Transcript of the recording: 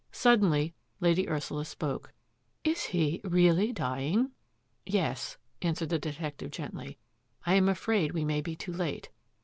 Suddenly Lady Ursula spoke. " Is he — really dying?'' " Yes," answered the detective gently. " I am afraid we may be too late."